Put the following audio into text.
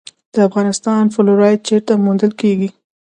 د افغانستان فلورایټ چیرته موندل کیږي؟